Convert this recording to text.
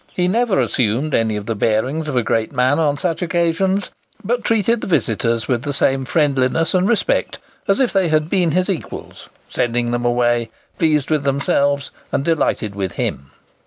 He never assumed any of the bearings of a great man on such occasions, but treated the visitors with the same friendliness and respect as if they had been his equals, sending them away pleased with themselves and delighted with him.